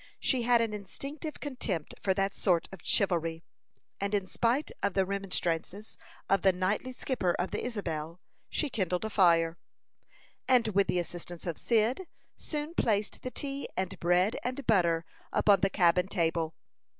She had an instinctive contempt for that sort of chivalry, and in spite of the remonstrances of the knightly skipper of the Isabel, she kindled a fire, and with the assistance of Cyd, soon placed the tea and bread and butter upon the cabin table.